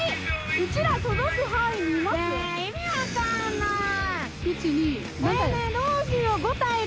うちら届く範囲にいますよねえ意味分かんない１２何体だ？